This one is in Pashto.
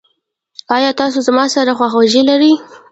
ایا تاسو زما سره خواخوږي لرئ؟